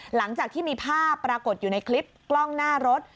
หลังจากที่มีภาพปรากฏอยู่ในคลิปกล้องหน้ารถ